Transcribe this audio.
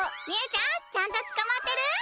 みゅーちゃんちゃんとつかまってる？